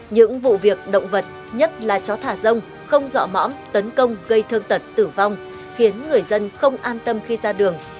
những vụ việc động vật nhất là chó thả rông không dọa mõm tấn công gây thương tật tử vong khiến người dân không an tâm khi ra đường